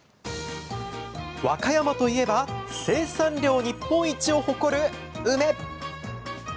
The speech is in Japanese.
和歌山といえば生産量日本一を誇る梅。